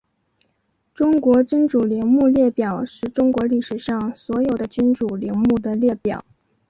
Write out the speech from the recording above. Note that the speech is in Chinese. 中国君主陵墓列表是中国历史上所有的君主陵墓的列表。